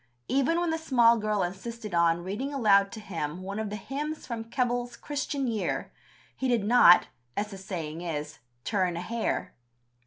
Even when the small girl insisted on "reading aloud to him one of the hymns from Keble's Christian Year," he did not, as the saying is, turn a hair.